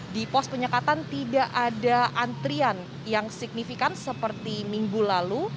di pos penyekatan tidak ada antrian yang signifikan seperti minggu lalu